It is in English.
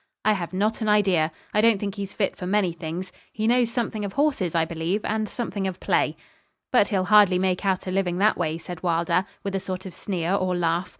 'I have not an idea. I don't think he's fit for many things. He knows something of horses, I believe, and something of play.' 'But he'll hardly make out a living that way,' said Wylder, with a sort of sneer or laugh.